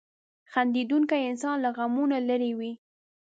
• خندېدونکی انسان له غمونو لرې وي.